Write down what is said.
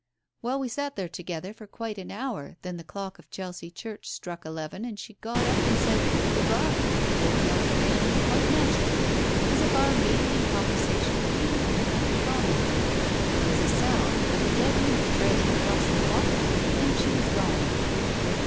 *" Well, we sat there together for quite an hour, then the clock of Chelsea church struck eleven, and she got up and said ' Good bye,' holding out her hand quite natur ally, as if our meeting and conversation had been nothing out of the common. There was a sound like a dead leaf trailing across the walk and she was gone."